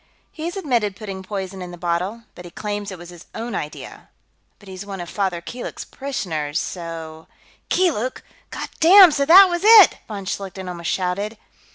"He's admitted putting poison in the bottle, but he claims it was his own idea. But he's one of Father Keeluk's parishioners, so...." "Keeluk! God damn, so that was it!" von Schlichten almost shouted.